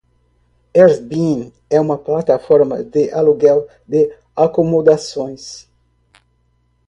Airbnb é uma plataforma de aluguel de acomodações.